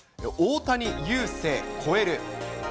大谷、雄星、超える。